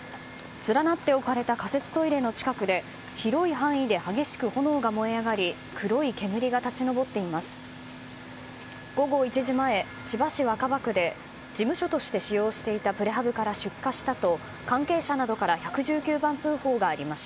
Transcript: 連なって置かれた仮設トイレの近くで広い範囲で激しく炎が燃え上がり黒い煙が立ち上っています。